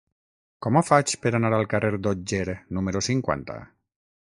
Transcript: Com ho faig per anar al carrer d'Otger número cinquanta?